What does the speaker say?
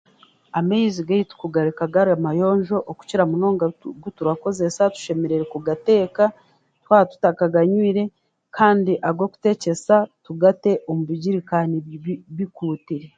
Amaizi gaitu kugareka gari amayonjo okukira munonga agu aguturakoresa tushemereire kugateeka twaba tutakaganywire kandi ag'okuteekyesa tugate omu bigirikani bikuutire